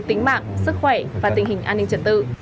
tính mạng sức khỏe và tình hình an ninh trật tự